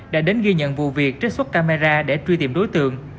đã đến ghi nhận vụ việc trích xuất camera để truy tìm đối tượng